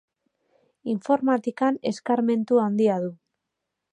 Informatikan eskarmentu handia du.